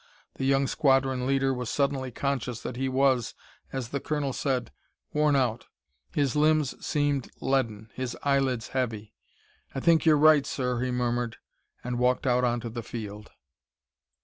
The young squadron leader was suddenly conscious that he was, as the colonel said, worn out; his limbs seemed leaden, his eyelids heavy. "I think you're right, sir," he murmured, and walked out onto the field.